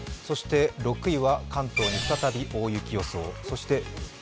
そして、５位は関東に再び大雪予想。